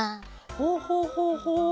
ほほほほう。